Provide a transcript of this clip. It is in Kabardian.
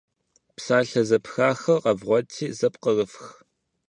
Псалъэ зэпхахэр къэвгъуэти зэпкърыфх.